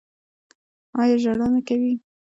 ایا ژړا نه کوي؟